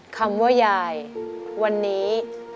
คำว่ายายวันนี้